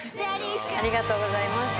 ありがとうございます。